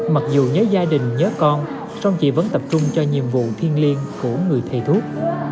mặc dù nhớ gia đình nhớ con song chị vẫn tập trung cho nhiệm vụ thiên liên của người thầy thuốc